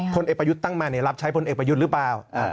พลเอกประยุทธ์ตั้งมารับใช้พลเอกประยุทธ์หรือเปล่า